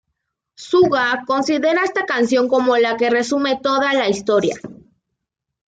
Suga considera esta canción como la que resume toda la historia.